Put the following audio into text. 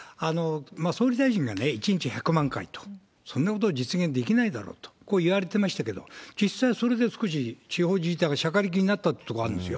総理大臣が１日１００万回と、そんなこと実現できないだろうと、こう言われてましたけれども、実際はそれで少し地方自治体がしゃかりきになったところがあるんですよ。